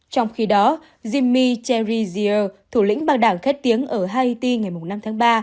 trong khi đó jimmy teresier thủ lĩnh băng đảng khét tiếng ở haiti ngày năm tháng ba